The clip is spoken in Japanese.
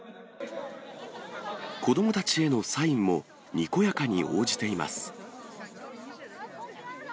子どもたちへのサインも、にこやかに応じています。